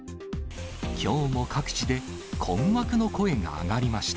きょうも各地で困惑の声が上がりました。